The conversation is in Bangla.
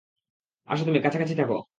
আসো তুমি কাছাকাছি থাকো?